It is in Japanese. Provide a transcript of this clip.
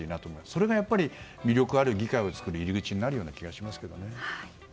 それが魅力ある議会を作る入り口になる気がしますけどね。